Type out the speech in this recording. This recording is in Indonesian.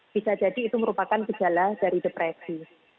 bisa jadi itu merupakan gejala dari depresi